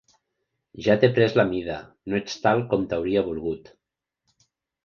Ja t'he pres la mida, no ets tal com t'hauria volgut